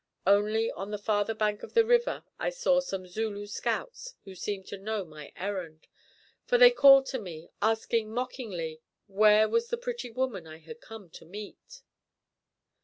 Only on the farther bank of the river I saw some Zulu scouts who seemed to know my errand, for they called to me, asking mockingly where was the pretty woman I had come to meet?